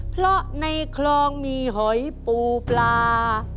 เพราะในคลองมีหอยปูปลา